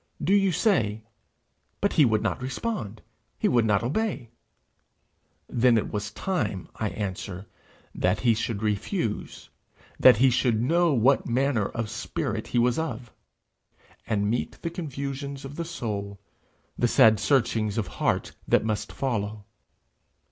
Do you say, 'But he would not respond, he would not obey!'? Then it was time, I answer, that he should refuse, that he should know what manner of spirit he was of, and meet the confusions of soul, the sad searchings of heart that must follow.